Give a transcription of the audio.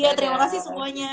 iya terima kasih semuanya